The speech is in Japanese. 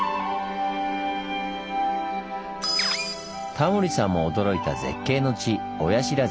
タモリさんも驚いた絶景の地親不知。